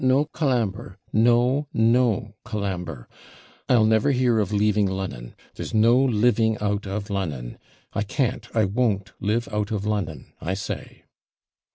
no, Colambre no no, Colambre! I'll never hear of leaving Lon'on there's no living out of Lon'on I can't, I won't live out of Lon'on, I say.'